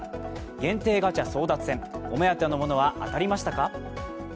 限定ガチャ争奪戦、お目当てのものは当たりましたか？